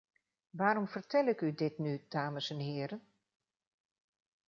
Waarom vertel ik u dit nu, dames en heren?